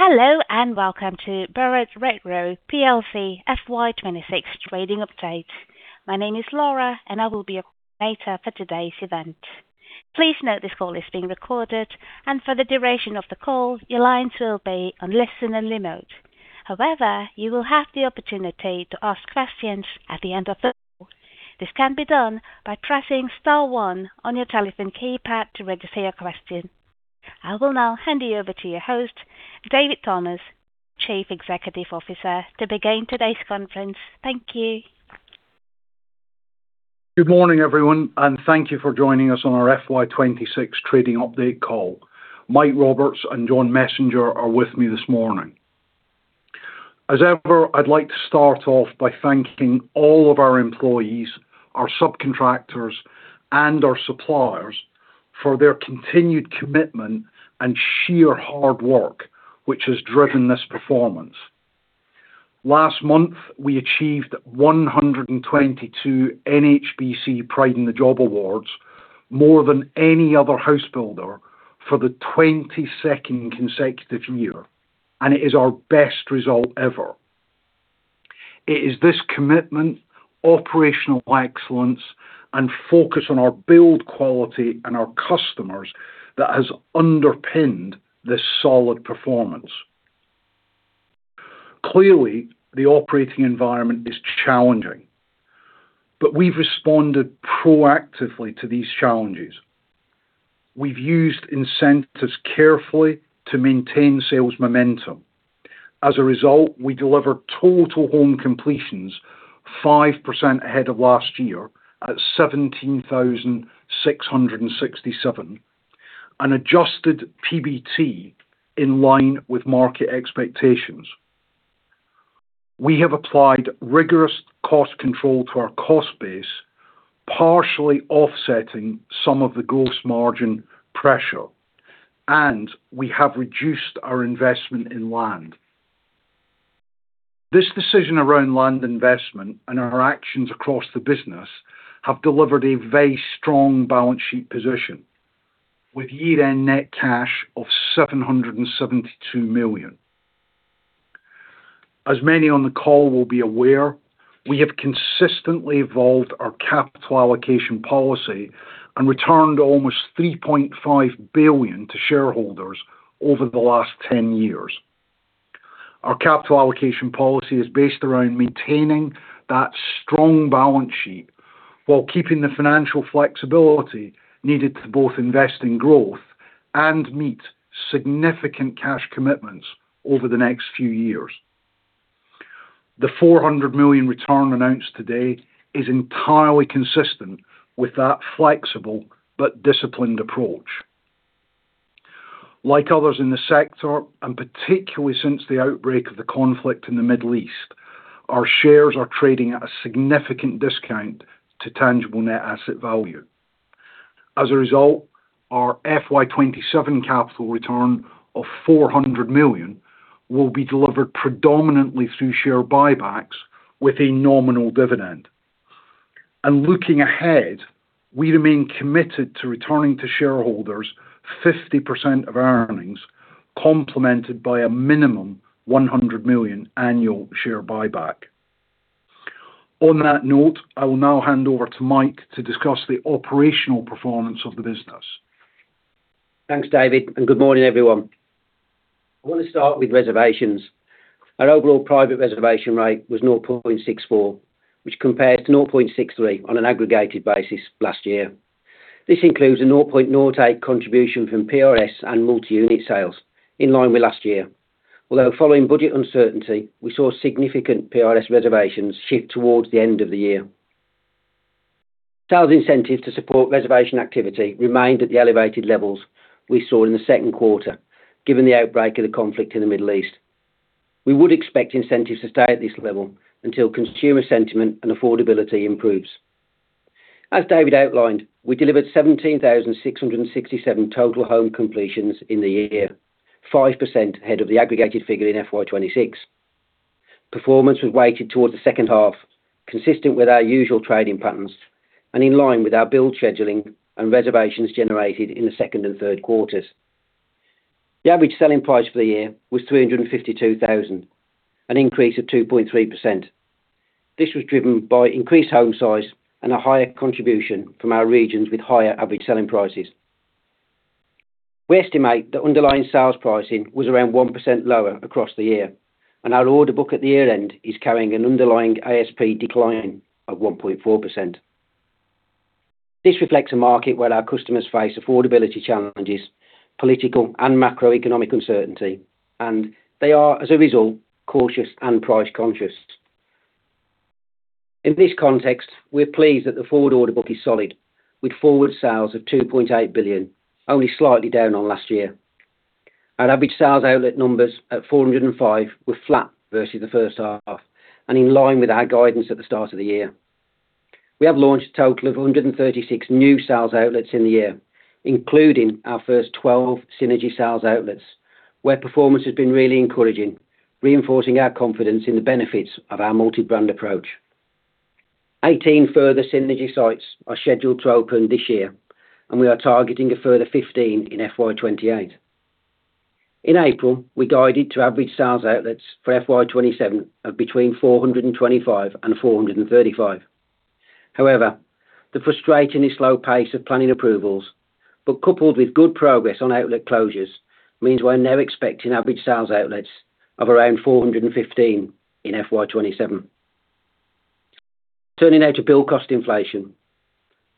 Hello, welcome to Barratt Redrow plc FY 2026 trading update. My name is Laura, and I will be your coordinator for today's event. Please note this call is being recorded, and for the duration of the call, your lines will be on listen only mode. However, you will have the opportunity to ask questions at the end of the call. This can be done by pressing star one on your telephone keypad to register your question. I will now hand you over to your host, David Thomas, Chief Executive Officer, to begin today's conference. Thank you. Good morning, everyone, thank you for joining us on our FY 2026 trading update call. Mike Roberts and John Messenger are with me this morning. As ever, I'd like to start off by thanking all of our employees, our subcontractors, and our suppliers for their continued commitment and sheer hard work, which has driven this performance. Last month, we achieved 122 NHBC Pride in the Job awards, more than any other house builder for the 22nd consecutive year, and it is our best result ever. It is this commitment, operational excellence, and focus on our build quality and our customers that has underpinned this solid performance. Clearly, the operating environment is challenging, but we've responded proactively to these challenges. We've used incentives carefully to maintain sales momentum. As a result, we delivered total home completions 5% ahead of last year, at 17,667, and adjusted PBT in line with market expectations. We have applied rigorous cost control to our cost base, partially offsetting some of the gross margin pressure. We have reduced our investment in land. This decision around land investment and our actions across the business have delivered a very strong balance sheet position, with year-end net cash of 772 million. As many on the call will be aware, we have consistently evolved our capital allocation policy and returned almost 3.5 billion to shareholders over the last 10 years. Our capital allocation policy is based around maintaining that strong balance sheet while keeping the financial flexibility needed to both invest in growth and meet significant cash commitments over the next few years. The 400 million return announced today is entirely consistent with that flexible but disciplined approach. Like others in the sector, particularly since the outbreak of the conflict in the Middle East, our shares are trading at a significant discount to tangible net asset value. As a result, our FY 2027 capital return of 400 million will be delivered predominantly through share buybacks with a nominal dividend. Looking ahead, we remain committed to returning to shareholders 50% of our earnings, complemented by a minimum 100 million annual share buyback. On that note, I will now hand over to Mike to discuss the operational performance of the business. Thanks, David, and good morning, everyone. I want to start with reservations. Our overall private reservation rate was 0.64, which compares to 0.63 on an aggregated basis last year. This includes a 0.08 contribution from PRS and multi-unit sales, in line with last year. Although following budget uncertainty, we saw significant PRS reservations shift towards the end of the year. Sales incentives to support reservation activity remained at the elevated levels we saw in the second quarter given the outbreak of the conflict in the Middle East. We would expect incentives to stay at this level until consumer sentiment and affordability improves. As David outlined, we delivered 17,667 total home completions in the year, 5% ahead of the aggregated figure in FY 2026. Performance was weighted towards the second half, consistent with our usual trading patterns and in line with our build scheduling and reservations generated in the second and third quarters. The average selling price for the year was 352,000, an increase of 2.3%. This was driven by increased home size and a higher contribution from our regions with higher average selling prices. We estimate that underlying sales pricing was around 1% lower across the year, and our order book at the year-end is carrying an underlying ASP decline of 1.4%. This reflects a market where our customers face affordability challenges, political and macroeconomic uncertainty, and they are, as a result, cautious and price conscious. In this context, we're pleased that the forward order book is solid, with forward sales of 2.8 billion, only slightly down on last year. Our average sales outlet numbers at 405 were flat versus the first half and in line with our guidance at the start of the year. We have launched a total of 136 new sales outlets in the year, including our first 12 Synergy sales outlets, where performance has been really encouraging, reinforcing our confidence in the benefits of our multi-brand approach. 18 further Synergy sites are scheduled to open this year, and we are targeting a further 15 in FY 2028. In April, we guided to average sales outlets for FY 2027 of between 425 and 435. However, the frustratingly slow pace of planning approvals, but coupled with good progress on outlet closures, means we're now expecting average sales outlets of around 415 in FY 2027. Turning now to build cost inflation.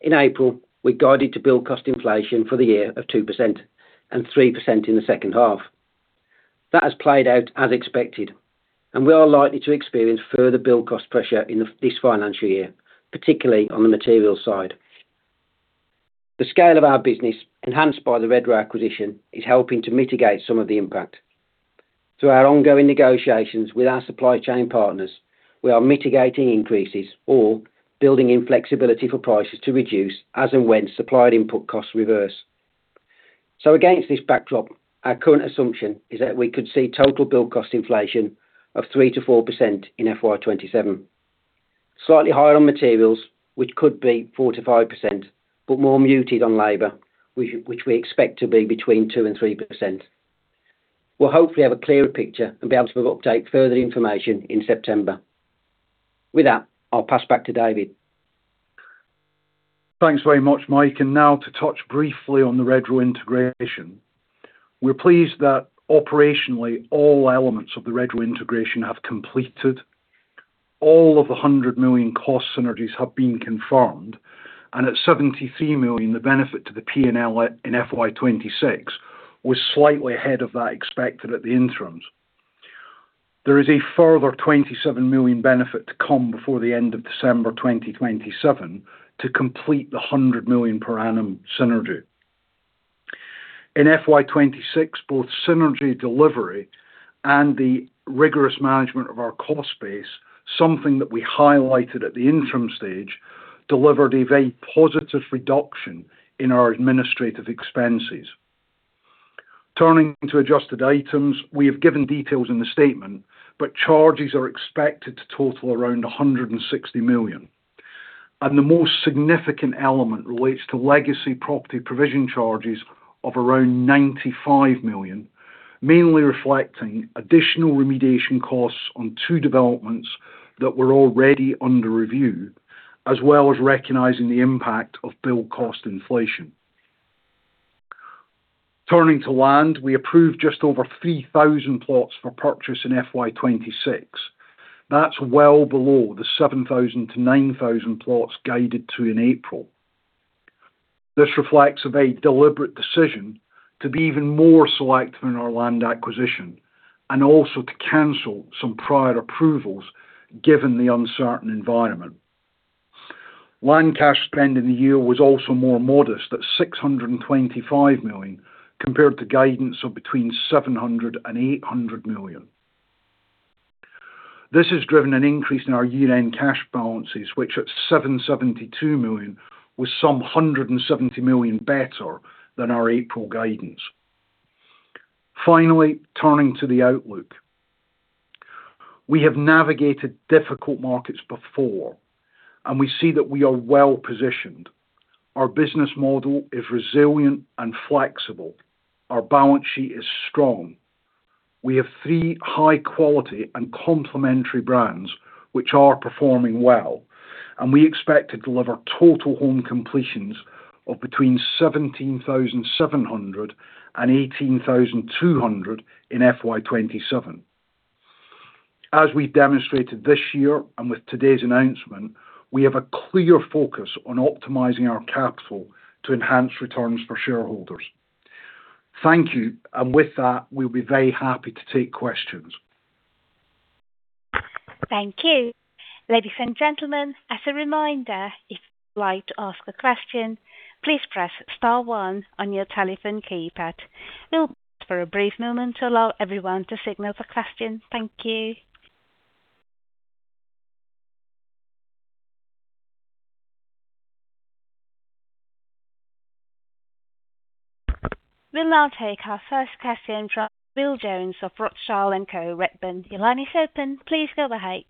In April, we guided to build cost inflation for the year of 2% and 3% in the second half. That has played out as expected, and we are likely to experience further build cost pressure in this financial year, particularly on the materials side. The scale of our business, enhanced by the Redrow acquisition, is helping to mitigate some of the impact. Through our ongoing negotiations with our supply chain partners, we are mitigating increases or building in flexibility for prices to reduce as and when supplied input costs reverse. Against this backdrop, our current assumption is that we could see total build cost inflation of 3%-4% in FY 2027. Slightly higher on materials, which could be 4%-5%, but more muted on labor, which we expect to be between 2% and 3%. We'll hopefully have a clearer picture and be able to update further information in September. With that, I'll pass back to David. Thanks very much, Mike. Now to touch briefly on the Redrow integration. We're pleased that operationally, all elements of the Redrow integration have completed. All of the 100 million cost synergies have been confirmed, and at 73 million, the benefit to the P&L in FY 2026 was slightly ahead of that expected at the interims. There is a further 27 million benefit to come before the end of December 2027 to complete the 100 million per annum synergy. In FY 2026, both synergy delivery and the rigorous management of our cost base, something that we highlighted at the interim stage, delivered a very positive reduction in our administrative expenses. Turning to adjusted items. We have given details in the statement, charges are expected to total around 160 million. The most significant element relates to legacy property provision charges of around 95 million, mainly reflecting additional remediation costs on two developments that were already under review, as well as recognizing the impact of build cost inflation. Turning to land, we approved just over 3,000 plots for purchase in FY 2026. That's well below the 7,000-9,000 plots guided to in April. This reflects a very deliberate decision to be even more selective in our land acquisition, and also to cancel some prior approvals given the uncertain environment. Land cash spend in the year was also more modest at 625 million, compared to guidance of between 700 million and 800 million. This has driven an increase in our year-end cash balances, which at 772 million, was some 170 million better than our April guidance. Finally, turning to the outlook. We have navigated difficult markets before, we see that we are well-positioned. Our business model is resilient and flexible. Our balance sheet is strong. We have three high-quality and complementary brands which are performing well, and we expect to deliver total home completions of between 17,700 and 18,200 in FY 2027. As we demonstrated this year and with today's announcement, we have a clear focus on optimizing our capital to enhance returns for shareholders. Thank you. With that, we'll be very happy to take questions. Thank you. Ladies and gentlemen, as a reminder, if you'd like to ask a question, please press star one on your telephone keypad. We'll pause for a brief moment to allow everyone to signal for questions. Thank you. We'll now take our first question from Will Jones of Rothschild & Co Redburn. Your line is open. Please go ahead.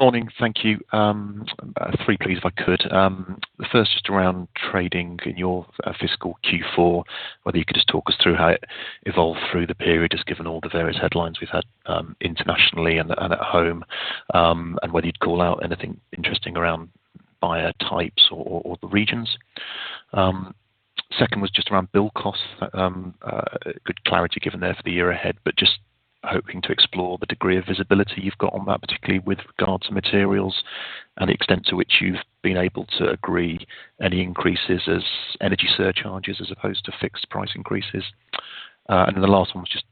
Morning. Thank you. Three, please, if I could. The first just around trading in your fiscal Q4, whether you could just talk us through how it evolved through the period, just given all the various headlines we've had internationally and at home, and whether you'd call out anything interesting around buyer types or the regions. Second was just around build costs. Just hoping to explore the degree of visibility you've got on that, particularly with regards to materials and the extent to which you've been able to agree any increases as energy surcharges as opposed to fixed price increases. The last one was just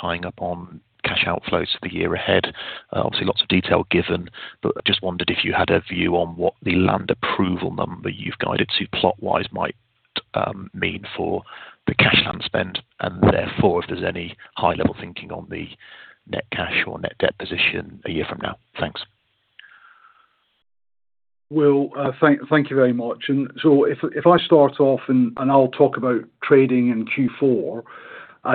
tying up on cash outflows for the year ahead. Obviously, lots of detail given, just wondered if you had a view on what the land approval number you've guided to plot-wise might mean for the cash land spend, and therefore, if there's any high-level thinking on the net cash or net debt position a year from now. Thanks. Will, thank you very much. If I start off, I'll talk about trading in Q4,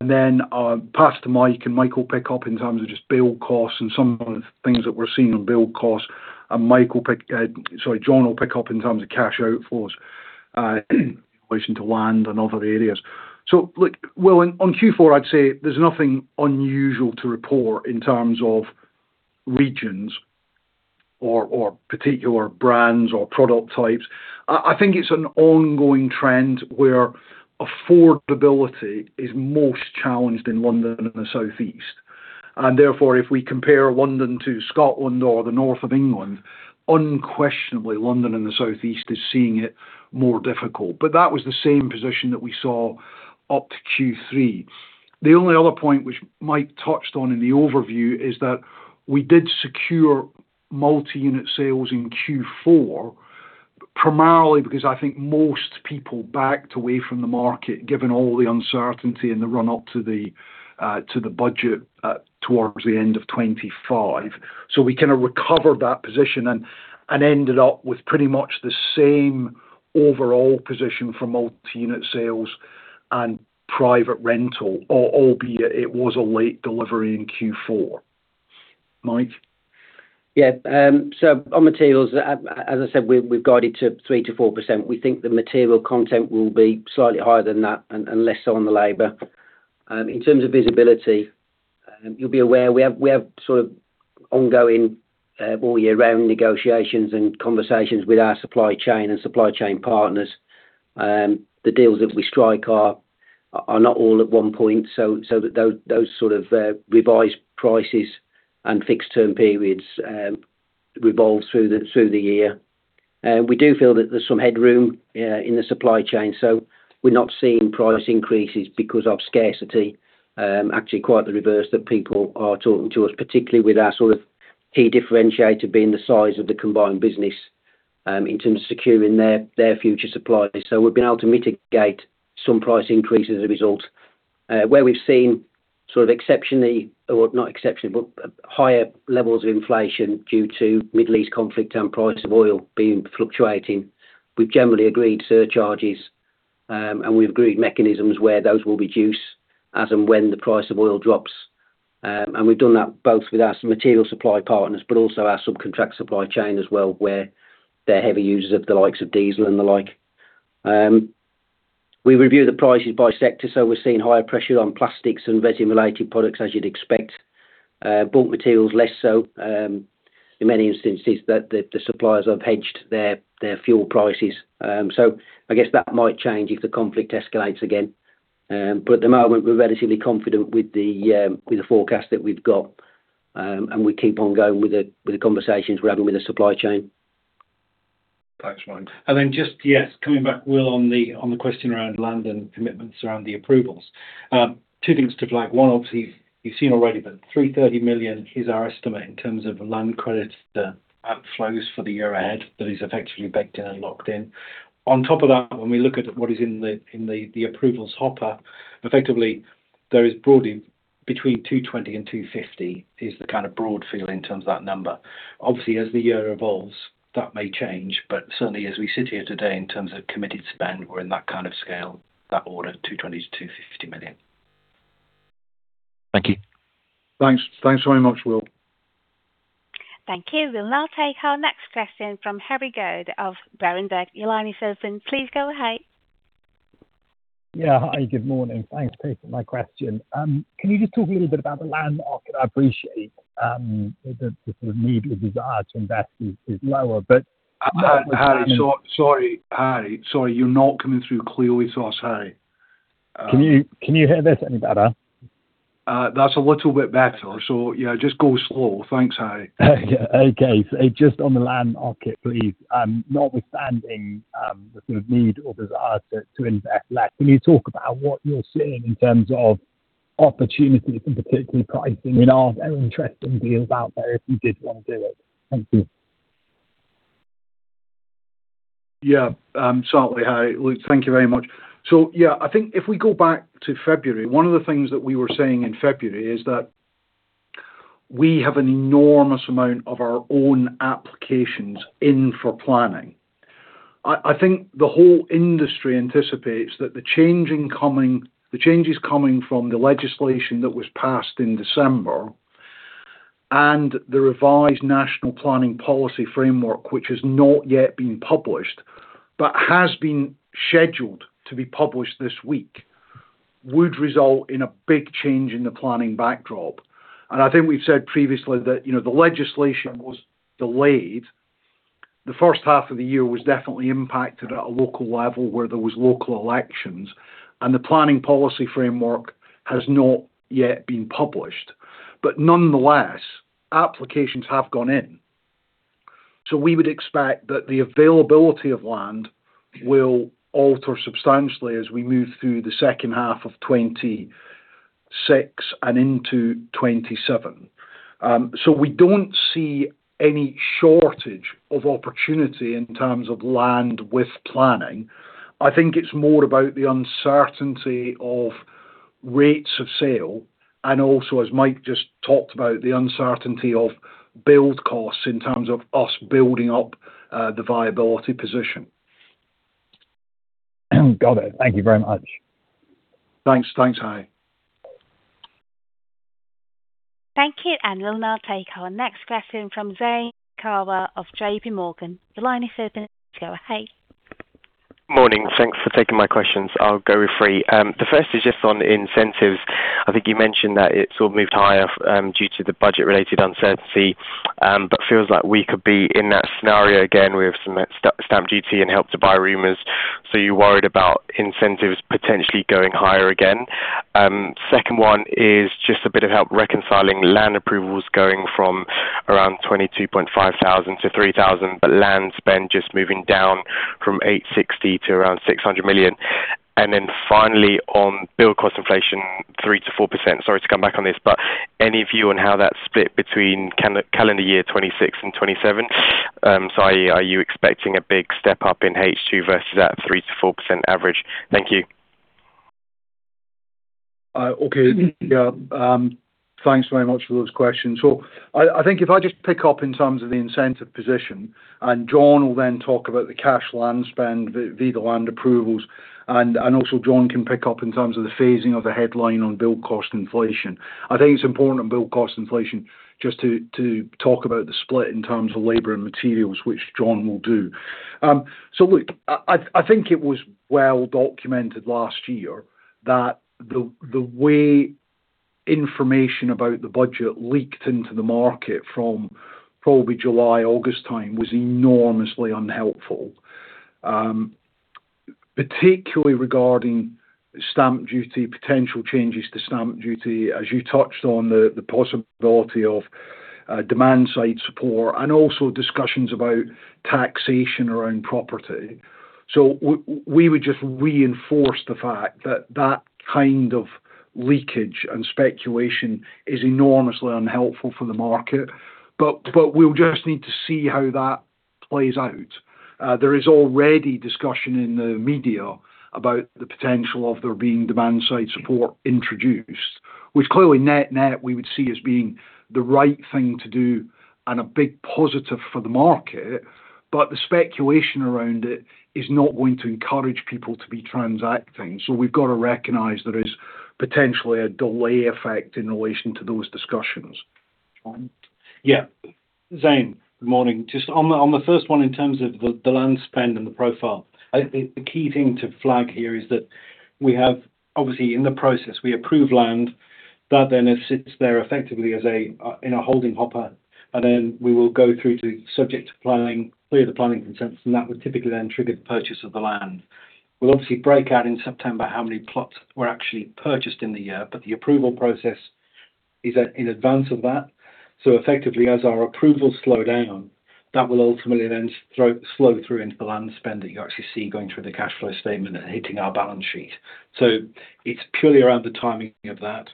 then I'll pass to Mike will pick up in terms of just build costs and some of the things that we're seeing on build costs. John will pick up in terms of cash outflows in relation to land and other areas. Look, Will, on Q4, I'd say there's nothing unusual to report in terms of regions or particular brands or product types. I think it's an ongoing trend where affordability is most challenged in London and the Southeast. Therefore, if we compare London to Scotland or the North of England, unquestionably, London and the Southeast is seeing it more difficult. That was the same position that we saw up to Q3. The only other point which Mike touched on in the overview is that we did secure multi-unit sales in Q4, primarily because I think most people backed away from the market, given all the uncertainty in the run up to the budget towards the end of 2025. We kind of recovered that position and ended up with pretty much the same overall position for multi-unit sales and private rental, albeit it was a late delivery in Q4. Mike? On materials, as I said, we've guided to 3%-4%. We think the material content will be slightly higher than that and less so on the labor. In terms of visibility, you'll be aware we have sort of ongoing all-year-round negotiations and conversations with our supply chain and supply chain partners. The deals that we strike are not all at one point, so those sort of revised prices and fixed term periods revolve through the year. We do feel that there's some headroom in the supply chain, so we're not seeing price increases because of scarcity. Actually, quite the reverse. People are talking to us, particularly with our sort of key differentiator being the size of the combined business, in terms of securing their future supplies. We've been able to mitigate some price increases as a result. Where we've seen sort of exceptionally, or not exceptionally, but higher levels of inflation due to Middle East conflict and price of oil being fluctuating. We've generally agreed surcharges, and we've agreed mechanisms where those will reduce as and when the price of oil drops. We've done that both with our material supply partners, but also our subcontract supply chain as well, where they're heavy users of the likes of diesel and the like. We review the prices by sector, so we're seeing higher pressure on plastics and resin-related products, as you'd expect. Bulk materials less so. In many instances, the suppliers have hedged their fuel prices. I guess that might change if the conflict escalates again. At the moment, we're relatively confident with the forecast that we've got, and we keep on going with the conversations we're having with the supply chain. Thanks, Mike. Then just, yes, coming back, Will, on the question around land and commitments around the approvals. Two things to flag. One, obviously you've seen already, but 330 million is our estimate in terms of land credits that outflows for the year ahead. That is effectively baked in and locked in. On top of that, when we look at what is in the approvals hopper, effectively there is broadly between 220 million and 250 million is the kind of broad feel in terms of that number. Obviously, as the year evolves, that may change, but certainly as we sit here today in terms of committed spend, we're in that kind of scale, that order, 220 million-250 million. Thank you. Thanks. Thanks very much, Will. Thank you. We'll now take our next question from Harry Goad of Berenberg. Your line is open. Please go ahead. Yeah. Hi, good morning. Thanks. Thanks for my question. Can you just talk a little bit about the land market? I appreciate the sort of need or desire to invest is lower. Harry, sorry. You're not coming through clearly to us, Harry. Can you hear this any better? That's a little bit better. Yeah, just go slow. Thanks, Harry. Okay. Just on the land market, please. Notwithstanding the sort of need or desire to invest less, can you talk about what you're seeing in terms of opportunities and particularly pricing and are there interesting deals out there if you did want to do it? Thank you. Yeah. Certainly, Harry. Look, thank you very much. Yeah, I think if we go back to February, one of the things that we were saying in February is that we have an enormous amount of our own applications in for planning. I think the whole industry anticipates that the changes coming from the legislation that was passed in December and the revised National Planning Policy Framework, which has not yet been published, but has been scheduled to be published this week, would result in a big change in the planning backdrop. I think we've said previously that the legislation was delayed. The first half of the year was definitely impacted at a local level where there was local elections, and the planning policy framework has not yet been published. Nonetheless, applications have gone in. We would expect that the availability of land will alter substantially as we move through the second half of 2026 and into 2027. We don't see any shortage of opportunity in terms of land with planning. I think it's more about the uncertainty of rates of sale, and also, as Mike just talked about, the uncertainty of build costs in terms of us building up the viability position. Got it. Thank you very much. Thanks, Harry. Thank you. We'll now take our next question from Zain [Ebrahim] of J.P. Morgan. The line is open. Go ahead. Morning. Thanks for taking my questions. I'll go with three. The first is just on incentives. I think you mentioned that it sort of moved higher due to the budget-related uncertainty, but feels like we could be in that scenario again with some stamp duty and Help to Buy rumors. Are you worried about incentives potentially going higher again? Second one is just a bit of help reconciling land approvals going from around 22,500 to 3,000, but land spend just moving down from 860 million to around 600 million. Finally on build cost inflation 3%-4%. Sorry to come back on this, but any view on how that's split between calendar year 2026 and 2027? Are you expecting a big step-up in H2 versus that 3%-4% average? Thank you. Okay. Yeah, thanks very much for those questions. I think if I just pick up in terms of the incentive position, and John will then talk about the cash land spend via the land approvals, and also John can pick up in terms of the phasing of the headline on build cost inflation. I think it's important on build cost inflation just to talk about the split in terms of labor and materials, which John will do. I think it was well documented last year that the way information about the budget leaked into the market from probably July, August time was enormously unhelpful. Particularly regarding stamp duty, potential changes to stamp duty, as you touched on the possibility of demand-side support and also discussions about taxation around property. We would just reinforce the fact that that kind of leakage and speculation is enormously unhelpful for the market. We'll just need to see how that plays out. There is already discussion in the media about the potential of there being demand-side support introduced, which clearly net-net we would see as being the right thing to do and a big positive for the market. The speculation around it is not going to encourage people to be transacting. We've got to recognize there is potentially a delay effect in relation to those discussions. John? Yeah. Zain, good morning. Just on the first one in terms of the land spend and the profile, I think the key thing to flag here is that we have, obviously in the process, we approve land that then sits there effectively in a holding hopper, and then we will go through to subject to planning, clear the planning consents, and that would typically then trigger the purchase of the land. We'll obviously break out in September how many plots were actually purchased in the year, but the approval process is in advance of that. Effectively, as our approvals slow down, that will ultimately then slow through into the land spend that you actually see going through the cash flow statement and hitting our balance sheet. It's purely around the timing of that.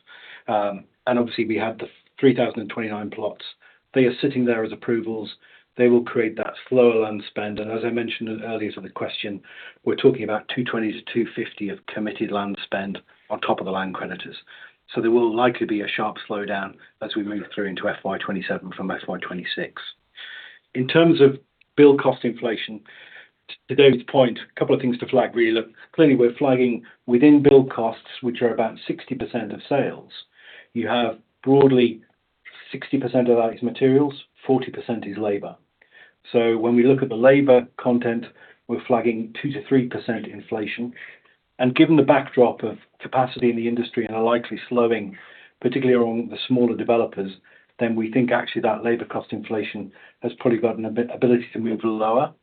Obviously we have the 3,029 plots. They are sitting there as approvals. They will create that slower land spend. As I mentioned earlier to the question, we're talking about 220 million-250 million of committed land spend on top of the land creditors. There will likely be a sharp slowdown as we move through into FY 2027 from FY 2026. In terms of build cost inflation, to David's point, a couple of things to flag really. Look, clearly we're flagging within build costs, which are about 60% of sales. You have broadly 60% of that is materials, 40% is labor. When we look at the labor content, we're flagging 2%-3% inflation. Given the backdrop of capacity in the industry and the likely slowing, particularly among the smaller developers, we think actually that labor cost inflation has probably got an ability to move lower.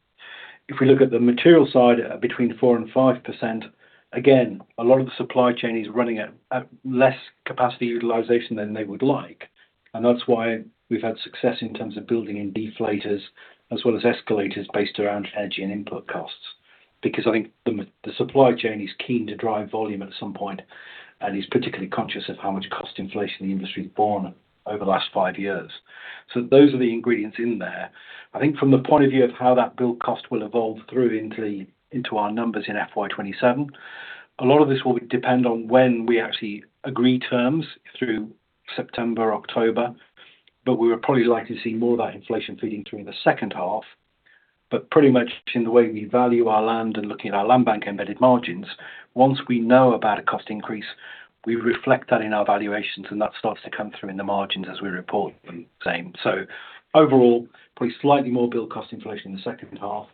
If we look at the material side, between 4% and 5%, again, a lot of the supply chain is running at less capacity utilization than they would like. That's why we've had success in terms of building in deflators as well as escalators based around energy and input costs. I think the supply chain is keen to drive volume at some point and is particularly conscious of how much cost inflation the industry's borne over the last five years. Those are the ingredients in there. I think from the point of view of how that build cost will evolve through into our numbers in FY 2027, a lot of this will depend on when we actually agree terms through September, October, we're probably likely to see more of that inflation feeding through in the second half. Pretty much in the way we value our land and looking at our landbank embedded margins, once we know about a cost increase, we reflect that in our valuations, and that starts to come through in the margins as we report the same. Overall, probably slightly more build cost inflation in the second half,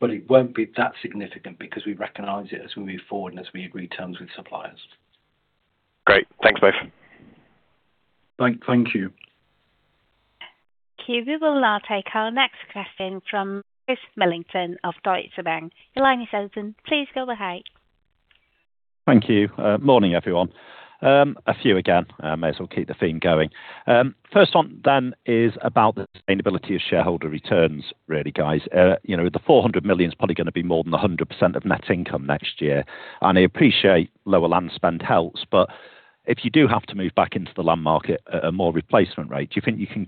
it won't be that significant because we recognize it as we move forward and as we agree terms with suppliers. Great. Thanks both. Thank you. We will now take our next question from Chris Millington of Deutsche Bank. The line is open. Please go ahead. Thank you. Morning, everyone. A few again, may as well keep the theme going. First one is about the sustainability of shareholder returns, really, guys. The 400 million is probably going to be more than 100% of net income next year. I appreciate lower land spend helps, but if you do have to move back into the land market at a more replacement rate, do you think you can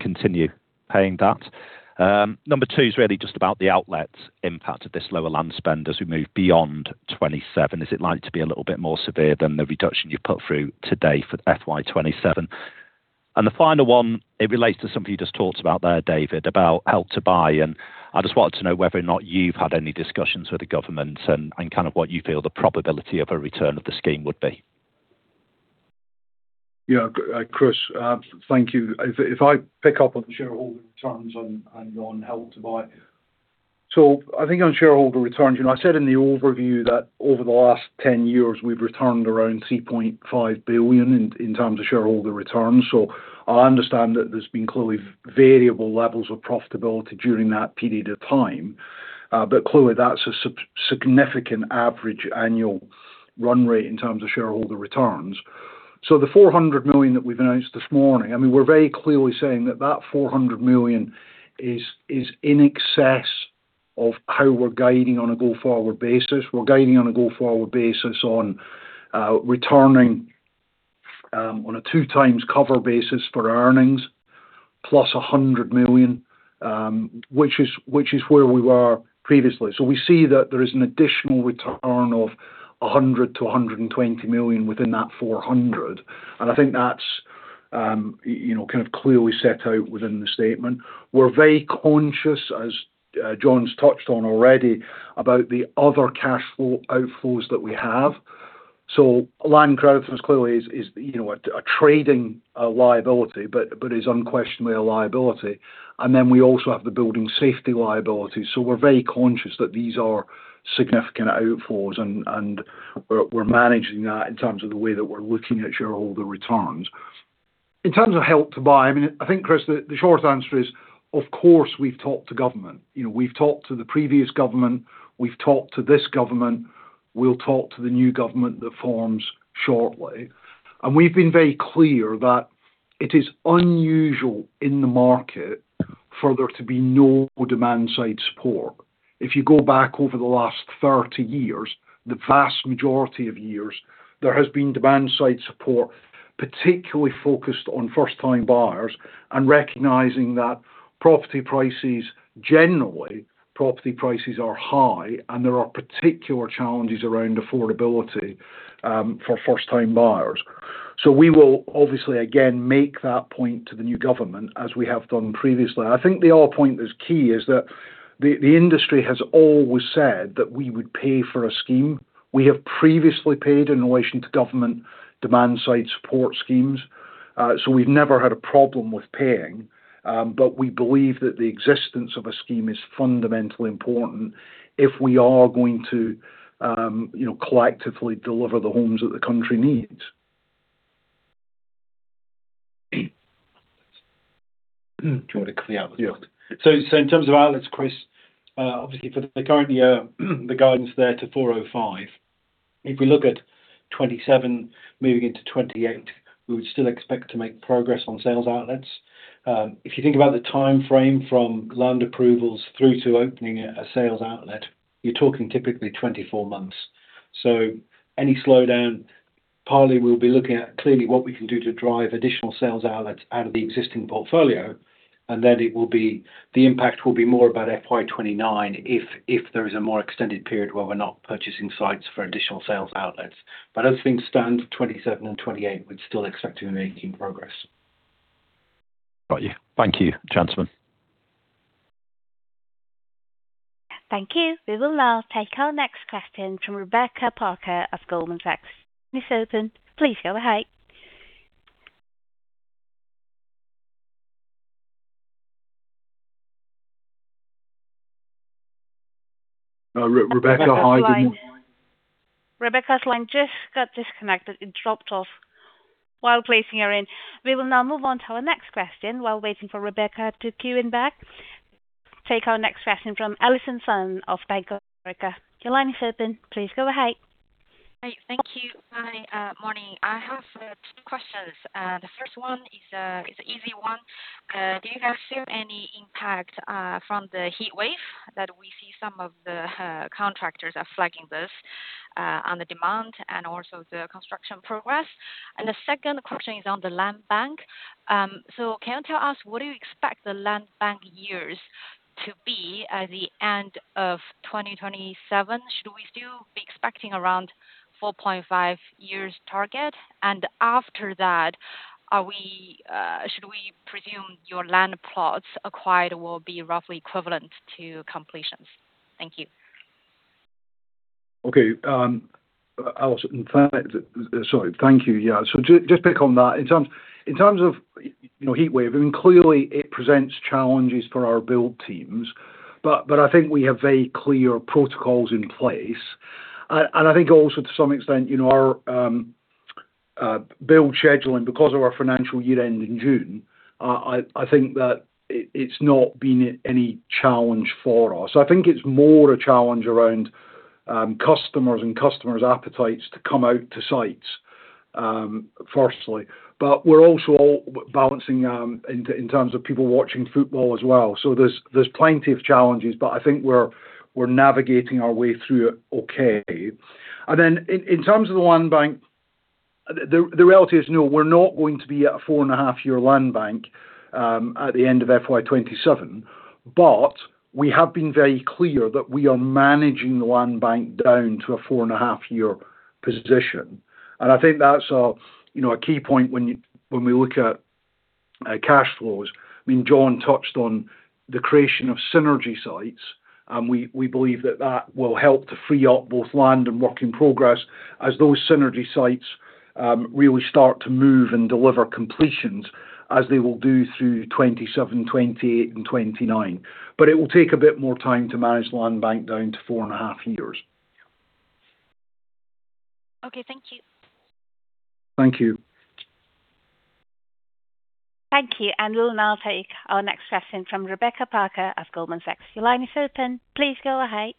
continue paying that? Number two is really just about the outlets impact of this lower land spend as we move beyond 2027. Is it likely to be a little bit more severe than the reduction you've put through today for FY 2027? The final one, it relates to something you just talked about there, David, about Help to Buy, I just want to know whether or not you've had any discussion with the government and kind of what you feel the probability of a return of the scheme would be. Chris, thank you. If I pick up on shareholder returns and on Help to Buy. I think on shareholder returns, I said in the overview that over the last 10 years, we've returned around 3.5 billion in terms of shareholder returns. I understand that there's been clearly variable levels of profitability during that period of time. Clearly that's a significant average annual run rate in terms of shareholder returns. The 400 million that we've announced this morning, we're very clearly saying that that 400 million is in excess of how we're guiding on a go-forward basis. We're guiding on a go-forward basis on returning on a two times cover basis for earnings, plus 100 million, which is where we were previously. We see that there is an additional return of 100 million-120 million within that 400 million. I think that's kind of clearly set out within the statement. We're very conscious, as John's touched on already, about the other cash flow outflows that we have. Land credit for us clearly is a trading liability, but is unquestionably a liability. Then we also have the Building Safety liability. We're very conscious that these are significant outflows, and we're managing that in terms of the way that we're looking at shareholder returns. In terms of Help to Buy, I think, Chris, the shortest answer is, of course, we've talked to government. We've talked to the previous government, we've talked to this government, we'll talk to the new government that forms shortly. We've been very clear that it is unusual in the market for there to be no demand-side support. If you go back over the last 30 years, the vast majority of years, there has been demand-side support, particularly focused on first-time buyers and recognizing that property prices, generally, property prices are high, and there are particular challenges around affordability for first-time buyers. We will obviously, again, make that point to the new government, as we have done previously. I think the whole point that's key is that the industry has always said that we would pay for a scheme. We have previously paid in relation to government demand-side support schemes. We've never had a problem with paying. We believe that the existence of a scheme is fundamentally important if we are going to collectively deliver the homes that the country needs. Do you want me to carry on with the outlets? Yeah. In terms of outlets, Chris, obviously for the current year, the guidance there to 405. If we look at 2027 moving into 2028, we would still expect to make progress on sales outlets. If you think about the timeframe from land approvals through to opening a sales outlet, you're talking typically 24 months. Any slowdown, partly we'll be looking at clearly what we can do to drive additional sales outlets out of the existing portfolio, and then the impact will be more about FY 2029 if there is a more extended period where we're not purchasing sites for additional sales outlets. As things stand for 2027 and 2028, we're still expecting making progress. Got you. Thank you, gentlemen. Thank you. We will now take our next question from Rebecca Parker of Goldman Sachs. Your line is open. Please go ahead. Rebecca, how are you doing? Rebecca's line just got disconnected. It dropped off while placing her in. We will now move on to our next question while waiting for Rebecca to queue in back. Take our next question from Allison Sun of Bank of America. Your line is open. Please go ahead. Hi. Thank you. Hi. Morning. I have two questions. The first one is easy one. Do you have seen any impact from the heatwave that we see some of the contractors are flagging this, on the demand and also the construction progress? The second question is on the land bank. Can you tell us what do you expect the land bank years to be at the end of 2027? Should we still be expecting around 4.5 years target? After that, should we presume your land plots acquired will be roughly equivalent to completions? Thank you. Okay. Allison, sorry. Thank you. Yeah. Just pick on that. In terms of heatwave, I mean, clearly it presents challenges for our build teams, but I think we have very clear protocols in place. I think also to some extent our build scheduling because of our financial year-end in June, I think that it's not been any challenge for us. I think it's more a challenge around customers and customers' appetites to come out to sites, firstly. We're also balancing in terms of people watching football as well. There's plenty of challenges, but I think we're navigating our way through it okay. In terms of the land bank, the reality is no, we're not going to be at a 4.5-year land bank at the end of FY 2027. We have been very clear that we are managing the land bank down to a 4.5-year position. I think that's a key point when we look at cash flows. John touched on the creation of Synergy sites, and we believe that will help to free up both land and work in progress as those Synergy sites really start to move and deliver completions, as they will do through 2027, 2028, and 2029. It will take a bit more time to manage land bank down to 4.5 years. Okay. Thank you. Thank you. Thank you. We will now take our next question from Rebecca Parker of Goldman Sachs. Your line is open. Please go ahead.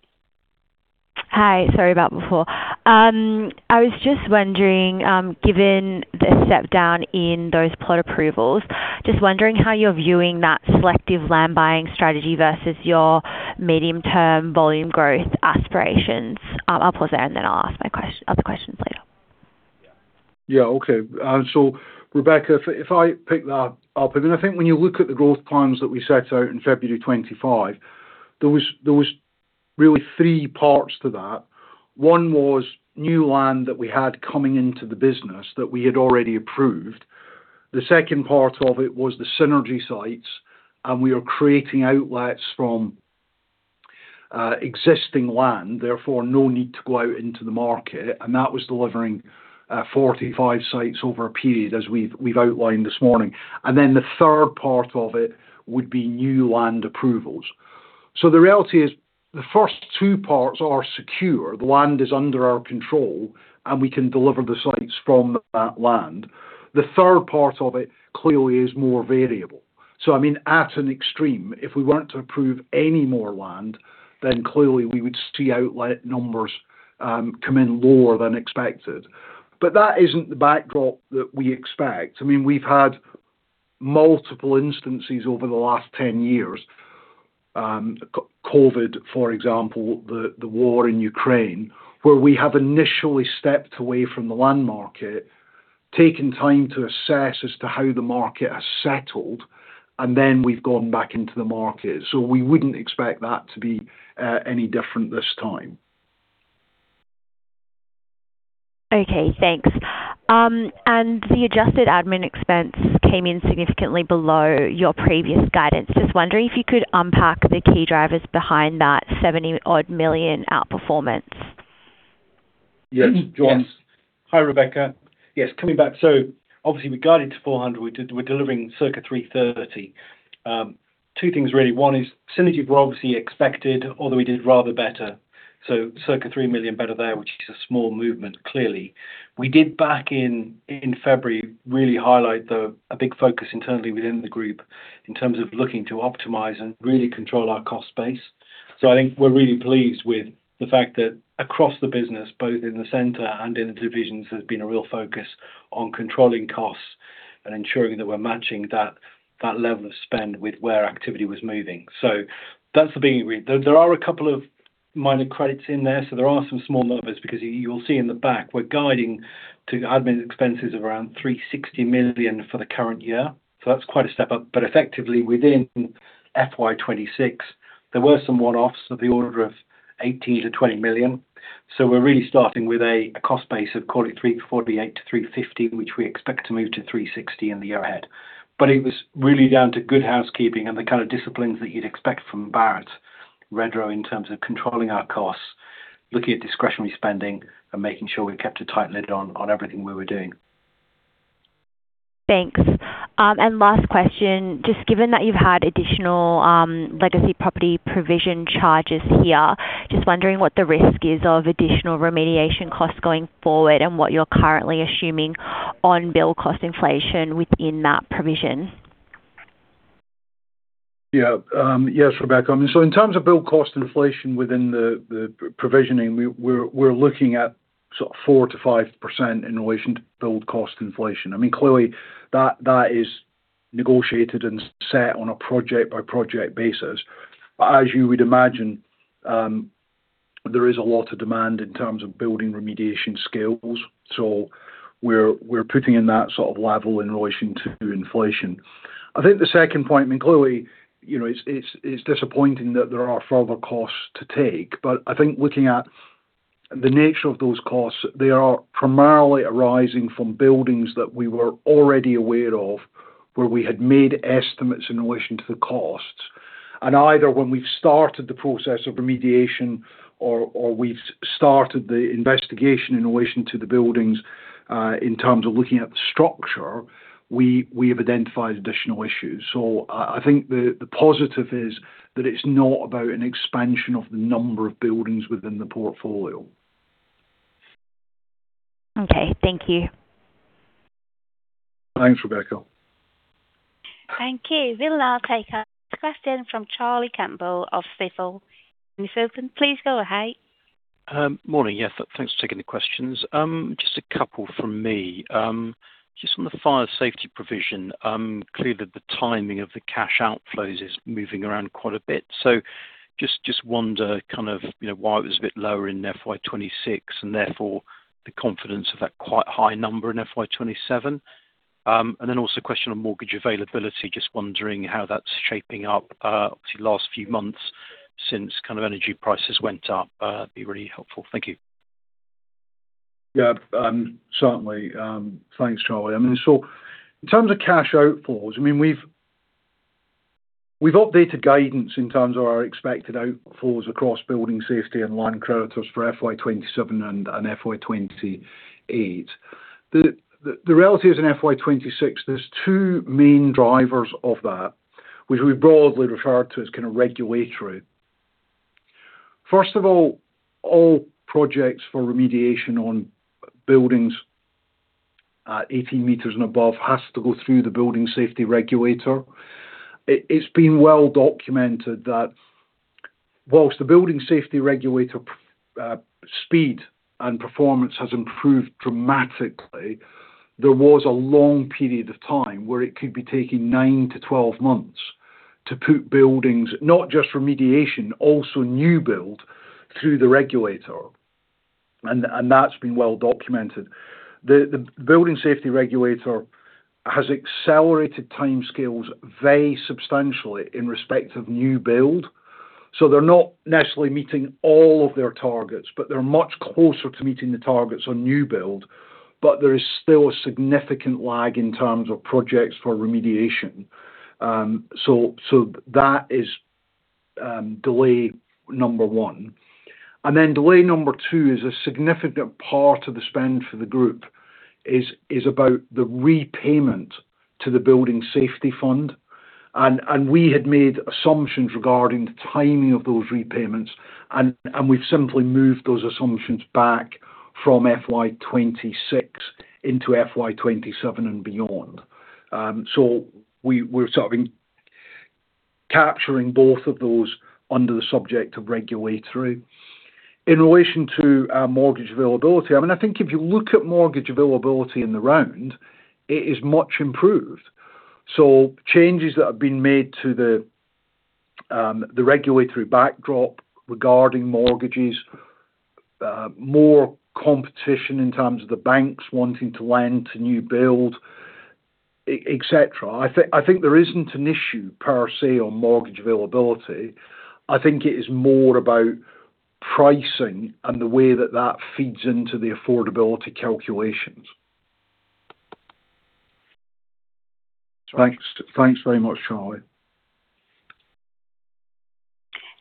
Hi. Sorry about before. I was just wondering, given the step down in those plot approvals, just wondering how you're viewing that selective land buying strategy versus your medium-term volume growth aspirations. I'll pause there and then I'll ask my other questions later. Yeah. Okay. Rebecca, if I pick that up, I think when you look at the growth plans that we set out in February 2025, there was really three parts to that. One was new land that we had coming into the business that we had already approved. The second part of it was the Synergy sites, and we are creating outlets from existing land, therefore, no need to go out into the market, and that was delivering 45 sites over a period, as we've outlined this morning. The third part of it would be new land approvals. The reality is, the first two parts are secure. The land is under our control, and we can deliver the sites from that land. The third part of it clearly is more variable. At an extreme, if we weren't to approve any more land, then clearly we would see outlet numbers come in lower than expected. That isn't the backdrop that we expect. We've had multiple instances over the last 10 years, COVID, for example, the war in Ukraine, where we have initially stepped away from the land market, taken time to assess as to how the market has settled, we've gone back into the market. We wouldn't expect that to be any different this time. Okay, thanks. The adjusted admin expense came in significantly below your previous guidance. Just wondering if you could unpack the key drivers behind that 70-odd million outperformance. Yes. John. Hi, Rebecca. Yes, coming back. Obviously, we guided to 400, we are delivering circa 330. Two things really. One is Synergy we obviously expected, although we did rather better, circa 3 million better there, which is a small movement clearly. We did back in February, really highlight a big focus internally within the group in terms of looking to optimize and really control our cost base. I think we are really pleased with the fact that across the business, both in the center and in the divisions, there has been a real focus on controlling costs and ensuring that we are matching that level of spend with where activity was moving. That is the beginning. There are a couple of minor credits in there are some small numbers because you will see in the back, we are guiding to admin expenses of around 360 million for the current year. That is quite a step up. Effectively, within FY 2026, there were some one-offs of the order of 18 million-20 million. We are really starting with a cost base of call it 348-350, which we expect to move to 360 in the year ahead. It was really down to good housekeeping and the kind of disciplines that you would expect from Barratt Redrow in terms of controlling our costs, looking at discretionary spending, and making sure we kept a tight lid on everything we were doing. Thanks. Last question, just given that you have had additional legacy property provision charges here, just wondering what the risk is of additional remediation costs going forward and what you are currently assuming on build cost inflation within that provision. Rebecca. In terms of build cost inflation within the provisioning, we are looking at 4%-5% in relation to build cost inflation. Clearly, that is negotiated and set on a project-by-project basis. As you would imagine, there is a lot of demand in terms of building remediation skills. We are putting in that sort of level in relation to inflation. I think the second point, clearly, it is disappointing that there are further costs to take. I think looking at the nature of those costs, they are primarily arising from buildings that we were already aware of, where we had made estimates in relation to the costs. Either when we have started the process of remediation or we have started the investigation in relation to the buildings, in terms of looking at the structure, we have identified additional issues. I think the positive is that it's not about an expansion of the number of buildings within the portfolio. Okay. Thank you. Thanks, Rebecca. Thank you. We will now take a question from Charlie Campbell of Stifel. Your line is open. Please go ahead. Morning. Yeah. Thanks for taking the questions. Just a couple from me. Just on the fire safety provision, clearly the timing of the cash outflows is moving around quite a bit. Just wonder why it was a bit lower in FY 2026, and therefore the confidence of that quite high number in FY 2027. Also a question on mortgage availability, just wondering how that's shaping up the last few months since energy prices went up. Be really helpful. Thank you. Yeah. Certainly. Thanks, Charlie. In terms of cash outflows, we've updated guidance in terms of our expected outflows across building safety and line creditors for FY 2027 and FY 2028. The reality is in FY 2026, there's two main drivers of that, which we broadly refer to as regulatory. First of all projects for remediation on buildings 18 m and above has to go through the Building Safety Regulator. It's been well documented that whilst the Building Safety Regulator speed and performance has improved dramatically, there was a long period of time where it could be taking 9-12 months to put buildings, not just remediation, also new build, through the regulator. That's been well documented. The Building Safety Regulator has accelerated timescales very substantially in respect of new build. They're not necessarily meeting all of their targets, but they're much closer to meeting the targets on new build. There is still a significant lag in terms of projects for remediation. That is delay number one. Delay number two is a significant part of the spend for the group, is about the repayment to the Building Safety Fund. We had made assumptions regarding the timing of those repayments, and we've simply moved those assumptions back from FY 2026 into FY 2027 and beyond. We're sort of capturing both of those under the subject of regulatory. In relation to our mortgage availability, I think if you look at mortgage availability in the round, it is much improved. Changes that have been made to the regulatory backdrop regarding mortgages, more competition in terms of the banks wanting to lend to new build, et cetera. I think there isn't an issue per se on mortgage availability. I think it is more about pricing and the way that that feeds into the affordability calculations. Thanks very much, Charlie.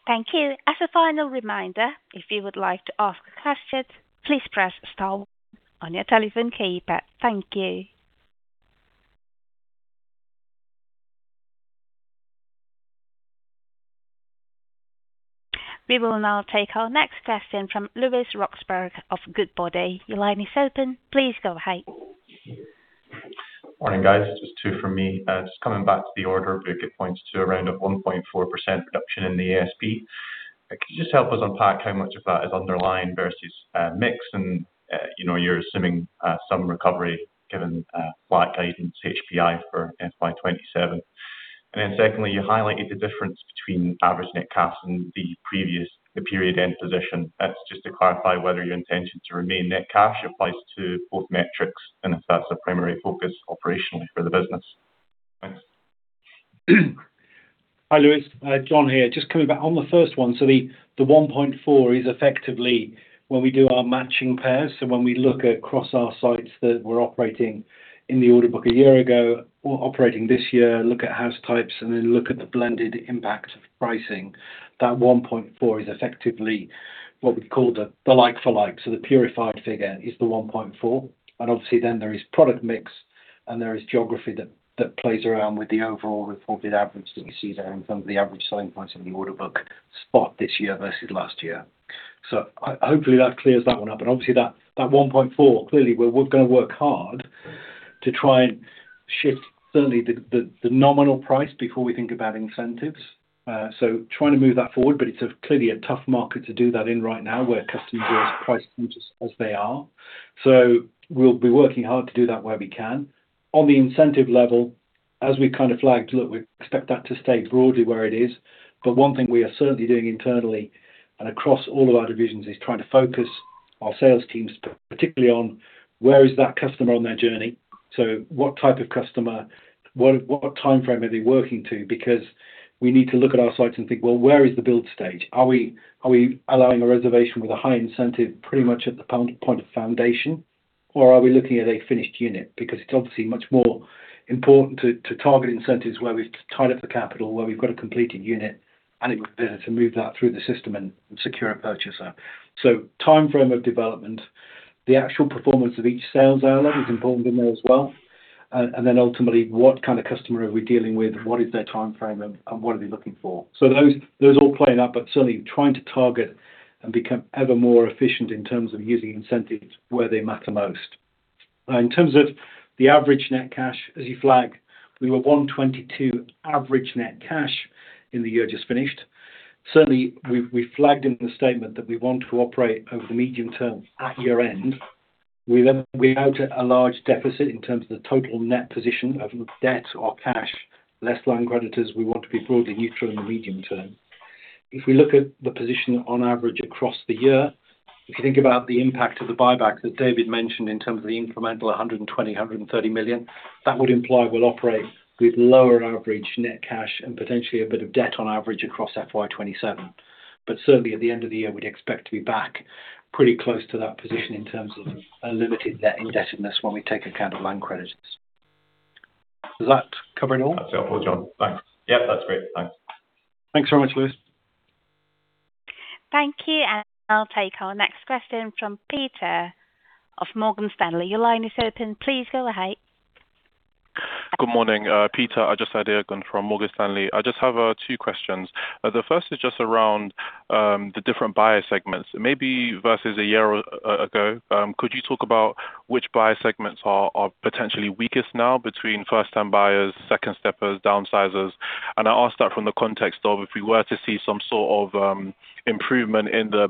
Thank you. As a final reminder, if you would like to ask a question, please press star one on your telephone keypad. Thank you. We will now take our next question from Lewis Roxburgh of Goodbody. Your line is open. Please go ahead. Morning, guys. Just two from me. Just coming back to the order book. It points to around a 1.4% reduction in the ASP. Could you just help us unpack how much of that is underlying versus mix and you're assuming some recovery given flat guidance HPI for FY 2027? Secondly, you highlighted the difference between average net cash and the previous period end position. Just to clarify whether your intention to remain net cash applies to both metrics, and if that's a primary focus operationally for the business. Thanks. Hi, Lewis. John here. Just coming back on the first one. The 1.4 is effectively when we do our matching pairs. When we look across our sites that were operating in the order book a year ago or operating this year, look at house types and then look at the blended impact of pricing. That 1.4 is effectively what we call the like for like. The purified figure is the 1.4. There is product mix and there is geography that plays around with the overall reported average that you see there in terms of the average selling price in the order book spot this year versus last year. Hopefully that clears that one up. That 1.4, clearly we're going to work hard to try and shift certainly the nominal price before we think about incentives. Trying to move that forward, but it's clearly a tough market to do that in right now where customer growth is price conscious as they are. We'll be working hard to do that where we can. On the incentive level, as we kind of flagged, look, we expect that to stay broadly where it is. One thing we are certainly doing internally and across all of our divisions is trying to focus our sales teams particularly on where is that customer on their journey. What type of customer, what time frame are they working to? Because we need to look at our sites and think, well, where is the build stage? Are we allowing a reservation with a high incentive pretty much at the point of foundation, or are we looking at a finished unit? It's obviously much more important to target incentives where we've tied up the capital, where we've got a completed unit and it works better to move that through the system and secure a purchaser. Time frame of development, the actual performance of each sales outlet is important in there as well. Ultimately, what kind of customer are we dealing with? What is their time frame and what are they looking for? Those all play it up, but certainly trying to target and become ever more efficient in terms of using incentives where they matter most. In terms of the average net cash, as you flag, we were 122 average net cash in the year just finished. Certainly, we flagged in the statement that we want to operate over the medium term at year-end. We have a large deficit in terms of the total net position of debt or cash, less land creditors, we want to be broadly neutral in the medium term. If we look at the position on average across the year, if you think about the impact of the buyback that David mentioned in terms of the incremental 120 million, 130 million, that would imply we'll operate with lower average net cash and potentially a bit of debt on average across FY 2027. Certainly, at the end of the year, we'd expect to be back pretty close to that position in terms of limited net indebtedness when we take account of land credits. Does that cover it all? That's helpful, John. Thanks. Yep, that's great. Thanks. Thanks very much, Lewis. Thank you. I'll take our next question from Peter of Morgan Stanley. Your line is open. Please go ahead. Good morning. Peter Ajose-Adeogun from Morgan Stanley. I just have two questions. The first is just around the different buyer segments. Maybe versus a year ago, could you talk about which buyer segments are potentially weakest now between first-time buyers, second steppers, downsizers? I ask that from the context of, if we were to see some sort of improvement in the,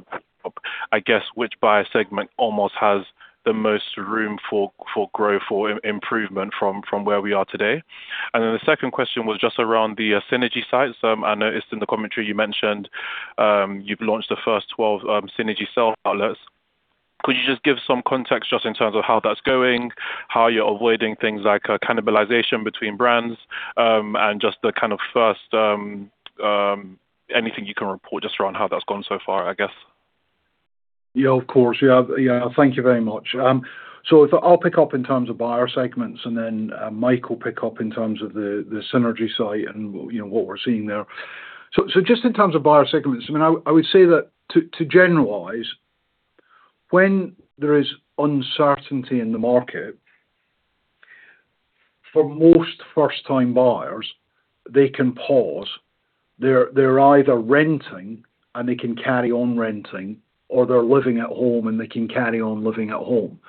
I guess, which buyer segment almost has the most room for growth or improvement from where we are today. The second question was just around the Synergy sites. I noticed in the commentary you mentioned, you've launched the first 12 Synergy outlets. Could you just give some context just in terms of how that's going, how you're avoiding things like cannibalization between brands, and just anything you can report just around how that's gone so far, I guess? Yeah, of course. Yeah. Thank you very much. I'll pick up in terms of buyer segments, and then Mike will pick up in terms of the Synergy site and what we're seeing there. Just in terms of buyer segments, I would say that to generalize, when there is uncertainty in the market, for most first-time buyers, they can pause. They're either renting, and they can carry on renting, or they're living at home, and they can carry on living at home.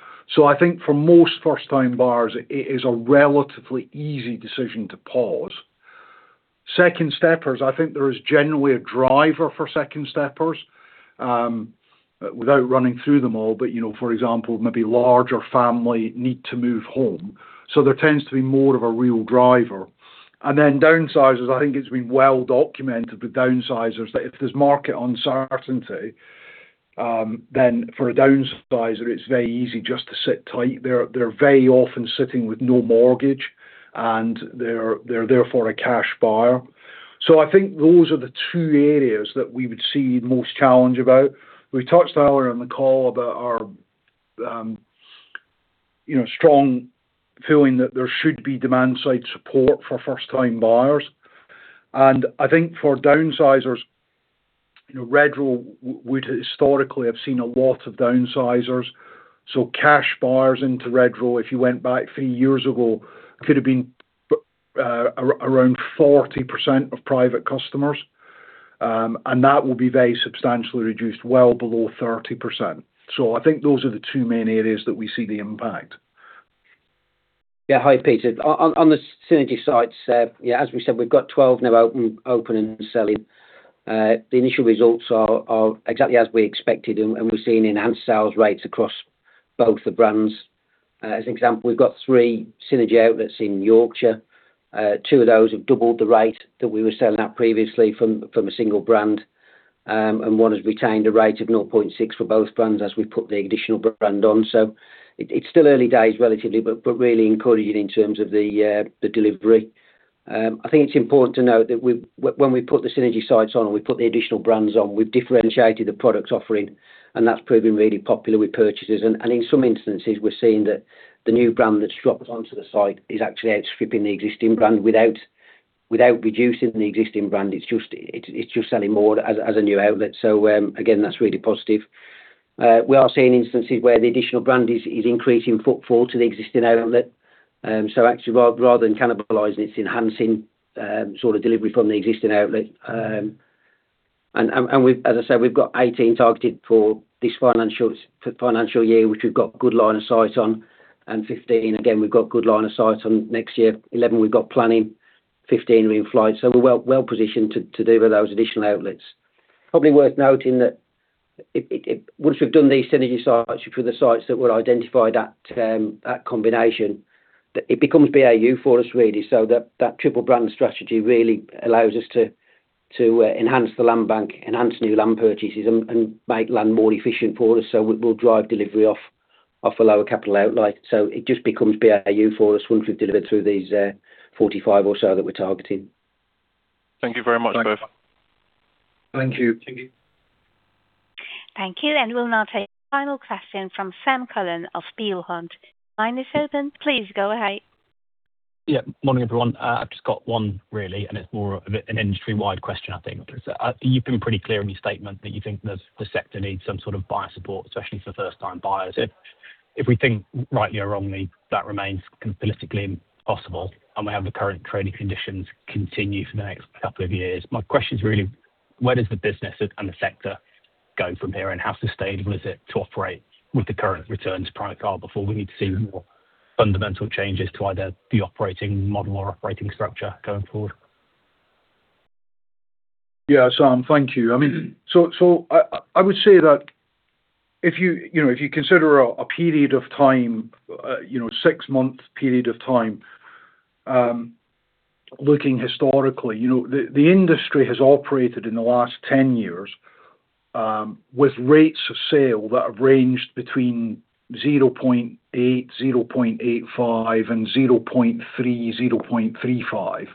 I think for most first-time buyers, it is a relatively easy decision to pause. Second steppers, I think there is generally a driver for second steppers, without running through them all. For example, maybe larger family need to move home. There tends to be more of a real driver. Downsizers, I think it's been well documented with downsizers that if there's market uncertainty, for a downsizer, it's very easy just to sit tight. They're very often sitting with no mortgage, and they're therefore a cash buyer. I think those are the two areas that we would see most challenge about. We talked earlier on the call about our strong feeling that there should be demand-side support for first-time buyers. I think for downsizers, Redrow would historically have seen a lot of downsizers. Cash buyers into Redrow, if you went back three years ago, could have been around 40% of private customers, and that will be very substantially reduced, well below 30%. I think those are the two main areas that we see the impact. Yeah. Hi, Peter. On the Synergy sites, as we said, we've got 12 now open and selling. The initial results are exactly as we expected, and we're seeing enhanced sales rates across both the brands. As an example, we've got three Synergy outlets in Yorkshire. Two of those have doubled the rate that we were selling at previously from a single brand. One has retained a rate of 0.6 for both brands as we put the additional brand on. It's still early days, relatively, but really encouraging in terms of the delivery. I think it's important to note that when we put the Synergy sites on, and we put the additional brands on, we've differentiated the product offering, and that's proven really popular with purchasers. In some instances, we're seeing that the new brand that's dropped onto the site is actually outstripping the existing brand without reducing the existing brand. It's just selling more as a new outlet. Again, that's really positive. We are seeing instances where the additional brand is increasing footfall to the existing outlet. Actually, rather than cannibalizing, it's enhancing sort of delivery from the existing outlet. As I said, we've got 18 targeted for this financial year, which we've got good line of sight on, and 15, again, we've got good line of sight on next year. 11 we've got planning, 15 we've applied. We're well-positioned to deliver those additional outlets. Probably worth noting that once we've done these Synergy sites for the sites that were identified at combination, that it becomes BAU for us, really, that triple brand strategy really allows us to enhance the land bank, enhance new land purchases, and make land more efficient for us. We'll drive delivery off a lower capital outlay. It just becomes BAU for us once we've delivered through these 45 or so that we're targeting. Thank you very much, both. Thank you. Thank you. Thank you. We'll now take the final question from Sam Cullen of Peel Hunt. Line is open. Please go ahead. Yeah. Morning, everyone. I've just got one, really, and it's more of an industry-wide question, I think. You've been pretty clear in your statement that you think the sector needs some sort of buyer support, especially for first-time buyers. If we think rightly or wrongly, that remains politically possible and we have the current trading conditions continue for the next couple of years, my question is really where does the business and the sector go from here, and how sustainable is it to operate with the current returns profile before we need to see more fundamental changes to either the operating model or operating structure going forward? Sam, thank you. I would say that if you consider a period of time, six-month period of time, looking historically, the industry has operated in the last 10 years, with rates of sale that have ranged between 0.8, 0.85, and 0.3, 0.35.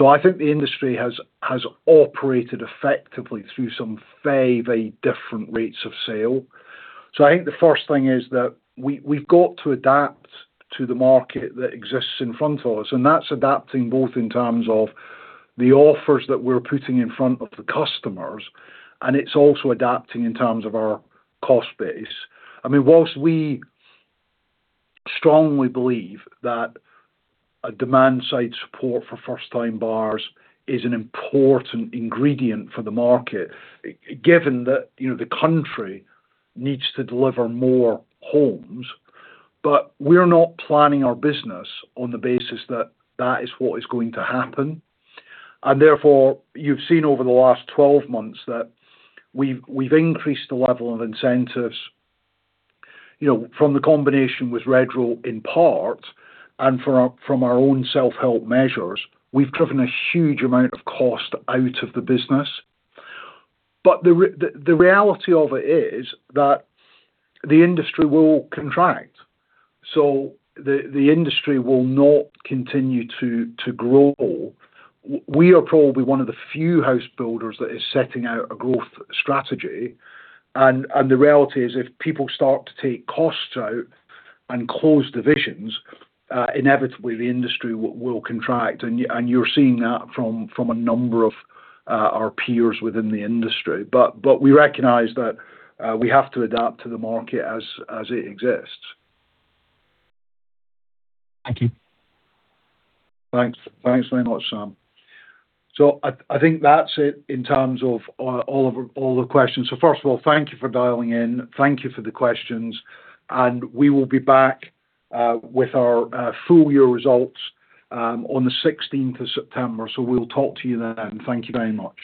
I think the industry has operated effectively through some very different rates of sale. I think the first thing is that we've got to adapt to the market that exists in front of us, and that's adapting both in terms of the offers that we're putting in front of the customers, and it's also adapting in terms of our cost base. Whilst we strongly believe that a demand-side support for first-time buyers is an important ingredient for the market, given that the country needs to deliver more homes. We're not planning our business on the basis that that is what is going to happen. Therefore, you've seen over the last 12 months that we've increased the level of incentives, from the combination with Redrow in part, and from our own self-help measures. We've driven a huge amount of cost out of the business. The reality of it is that the industry will contract. The industry will not continue to grow. We are probably one of the few house builders that is setting out a growth strategy. The reality is if people start to take costs out and close divisions, inevitably the industry will contract, and you're seeing that from a number of our peers within the industry. We recognize that we have to adapt to the market as it exists. Thank you. Thanks very much, Sam. I think that's it in terms of all the questions. First of all, thank you for dialing in. Thank you for the questions, and we will be back with our full year results on the 16th of September. We'll talk to you then. Thank you very much.